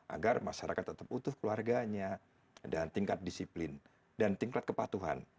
agar masyarakat tetap utuh keluarganya dan tingkat disiplin dan tingkat kepatuhan